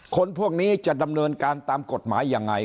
คนพวกนี้จะดำเนินการตามกฎหมายยังไง